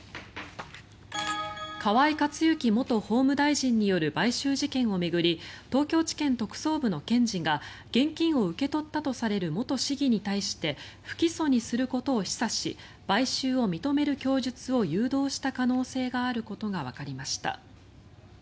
河井克行元法務大臣による買収事件を巡り東京地検特捜部の検事が現金を受け取ったとされる元市議に対して不起訴にすることを示唆し買収を認める供述を誘導した可能性があることがわかりました。